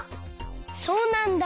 そうなんだ。